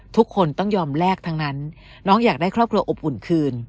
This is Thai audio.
ทุกคนต้องยอมแลกทั้งนั้นน้องอยากได้ครอบครัวอบอุ่นคืน